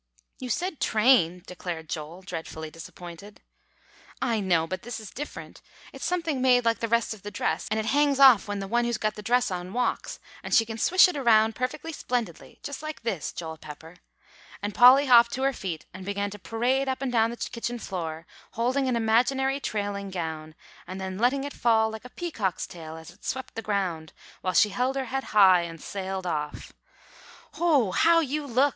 "You said train," declared Joel, dreadfully disappointed. "I know; but this is different. It's something made like the rest of the dress, and it hangs off when the one who's got the dress on walks, and she can swish it around perfectly splendidly; just like this, Joel Pepper," and Polly hopped to her feet, and began to parade up and down the old kitchen floor, holding an imaginary trailing gown, and then letting it fall like a peacock's tail as it swept the ground, while she held her head high, and sailed off. [Illustration: Polly began to parade up and down the old kitchen floor.] "Hoh, how you look!"